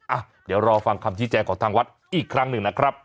อ่ะเดี๋ยวรอฟังคำชี้แจงของทางวัดอีกครั้งหนึ่งนะครับ